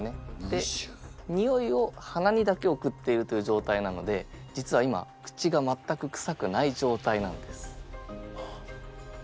でにおいを鼻にだけ送っているというじょうたいなので実は今口がまったくくさくないじょうたいなんです。